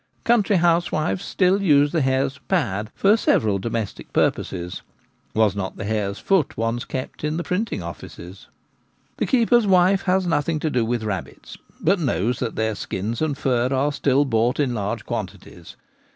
Country housewives still use the hare's 'pad' for several domestic purposes — was not the hare's foot once kept in the printing offices ? The keeper's wife has nothing to do with rabbits,, but knows that their skins and fur are still bought in large quantities.